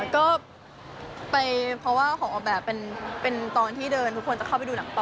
ก็ไปเพราะว่าของออกแบบเป็นตอนที่เดินทุกคนจะเข้าไปดูหนังต่อ